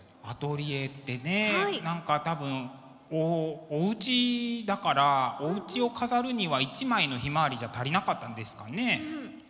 アトリエってね何か多分おうちだからおうちを飾るには１枚の「ヒマワリ」じゃ足りなかったんですかね。